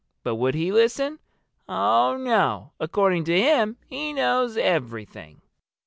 But would he listen? Oh, no! According to him, he knows everything."